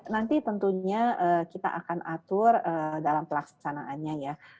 nanti tentunya kita akan atur dalam pelaksanaannya ya